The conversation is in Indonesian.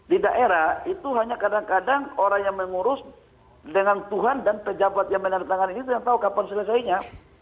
di daerah itu hanya kadang kadang orang yang mengurus dengan tuhan dan pejabat yang menandatangani itu yang tahu kapan selesainya